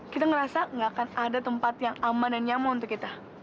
kita ngerasa gak akan ada tempat yang aman dan nyaman untuk kita